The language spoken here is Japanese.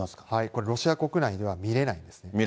これ、ロシア国内では見れないんですね。